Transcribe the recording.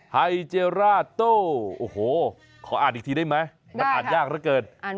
ไฮเจร่าโต้โอ้โหขออ่านอีกทีได้ไหมมันอ่านยากเหลือเกิน